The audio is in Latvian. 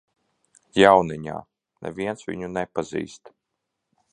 Jauniņā, neviens viņu nepazīst.